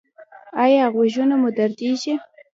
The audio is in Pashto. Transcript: ایا غوږونه مو دردیږي؟